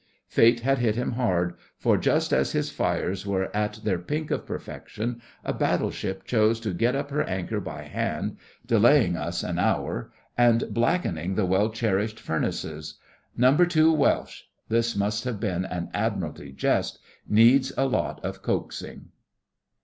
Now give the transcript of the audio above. Fate had hit him hard, for, just as his fires were at their pink of perfection, a battleship chose to get up her anchor by hand, delaying us an hour, and blackening the well cherished furnaces. 'No. 2 Welsh' (this must have been an Admiralty jest) needs a lot of coaxing.